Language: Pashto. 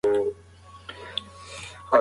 آیا موږ د پېښو اصلي علتونه موندلای شو؟